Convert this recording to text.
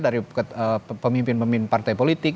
dari pemimpin pemimpin partai politik